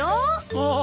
ああ